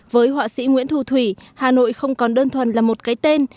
với họa sĩ nguyễn thu thủy hà nội không còn đơn thuần là một cái tên